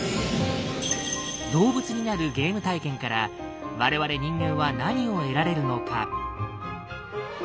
動物になるゲーム体験から我々人間は何を得られるのか。